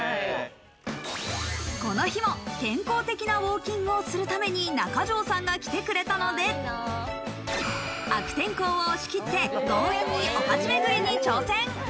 この日も健康的なウオーキングをするために中条さんが来てくれたので、悪天候を押し切って、強引にお鉢めぐりに挑戦。